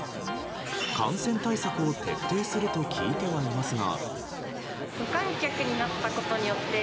感染対策を徹底すると聞いてはいますが。